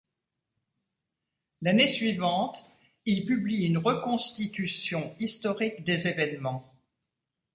L'année suivante, il publie une reconstitution historique des événements.